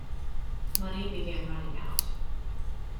Money began running out.